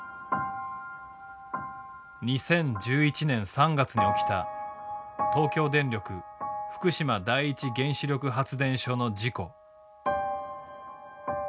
２０１１年３月に起きた東京電力福島第一原子力発電所の事故。